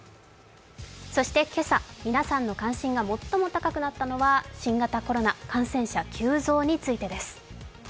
今朝、皆さんの関心が最も高くなったのは、新型コロナ感染者急増についてです。